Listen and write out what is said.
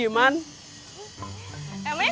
neng aku mau ambil